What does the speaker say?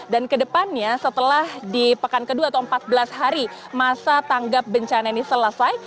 dan ke depannya setelah di pekan kedua atau empat belas hari masa tanggap bencana ini selesai